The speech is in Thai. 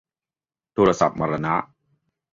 โทรศัพท์มรณะ